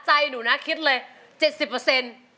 ใจหนูนะคิดเลยเจ็ดสิบเปอร์เซ็นต์